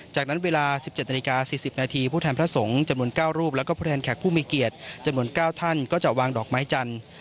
จากนั้นเวลา๑๗นาฬิกา๔๐นาทีผู้แทนพระสงฆ์จำนวน๙รูปแล้วก็ผู้แทนแขกผู้มีเกียรติจำนวน๙ท่านก็จะวางดอกไม้จันทร์